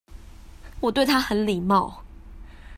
我對他很禮貌